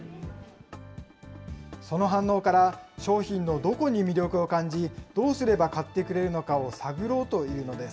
その反応から、商品のどこに魅力を感じ、どうすれば買ってくれるのかを探ろうというのです。